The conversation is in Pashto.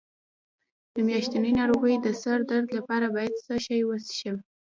د میاشتنۍ ناروغۍ د سر درد لپاره باید څه شی وڅښم؟